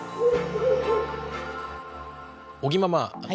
尾木ママ